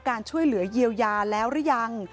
คุณพ่อเสียชีวิตด้วยสาเหตุอะไร